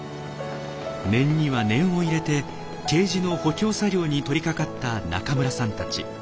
念には念を入れてケージの補強作業に取りかかった中村さんたち。